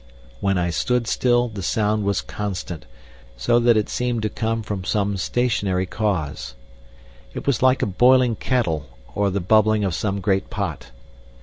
When I stood still the sound was constant, so that it seemed to come from some stationary cause. It was like a boiling kettle or the bubbling of some great pot.